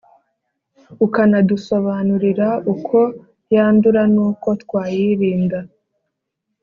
ukanadusobanurira uko yandura n’uko twayirinda.